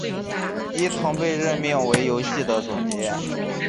伊藤被任命为游戏的总监。